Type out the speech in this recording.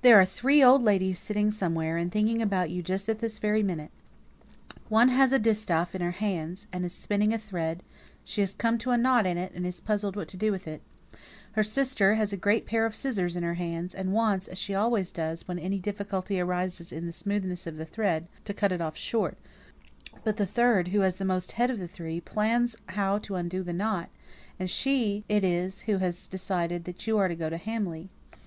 "There are three old ladies sitting somewhere, and thinking about you just at this very minute; one has a distaff in her hands, and is spinning a thread; she has come to a knot in it, and is puzzled what to do with it. Her sister has a great pair of scissors in her hands, and wants as she always does, when any difficulty arises in the smoothness of the thread to cut it off short; but the third, who has the most head of the three, plans how to undo the knot; and she it is who has decided that you are to go to Hamley.